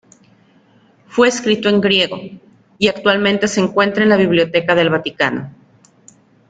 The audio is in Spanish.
Fue escrito en griego, y actualmente se encuentra en la Biblioteca del Vaticano.